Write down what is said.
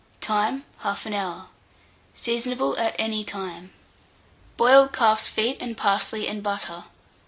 Time. 1/2 hour. Seasonable at any time. BOILED CALF'S FEET AND PARSLEY AND BUTTER.